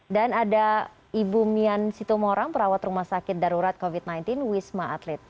dan ada ibu mian situmorang perawat rumah sakit darurat covid sembilan belas wisma atlet